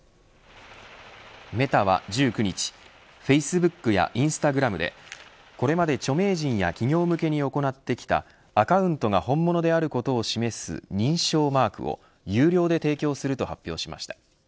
メタは１９日フェイスブックやインスタグラムでこれまで著名人や企業向けに行ってきたアカウントが本物であることを示す認証マークを有料で提供すると発表しました。